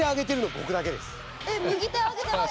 えっ右手あげてます。